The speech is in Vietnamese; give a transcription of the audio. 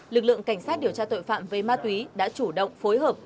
lực lượng cảnh sát điều tra tội phạm về ma túy đã chủ động phối hợp